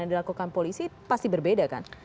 yang dilakukan polisi pasti berbeda kan